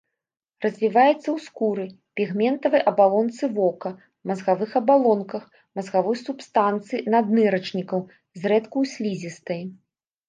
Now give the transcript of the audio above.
Развіваецца ў скуры, пігментавай абалонцы вока, мазгавых абалонках, мазгавой субстанцыі наднырачнікаў, зрэдку ў слізістай.